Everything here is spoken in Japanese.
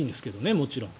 もちろん。